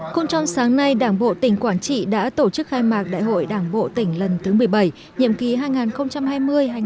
cùng trong sáng nay đảng bộ tỉnh quảng trị đã tổ chức khai mạc đại hội đảng bộ tỉnh lần thứ một mươi bảy nhiệm ký hai nghìn hai mươi hai nghìn hai mươi năm